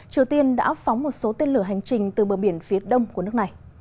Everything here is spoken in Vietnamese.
triều tiên đã phóng một số tài chính của các sinh viên quốc tế trong năm hai nghìn hai mươi bốn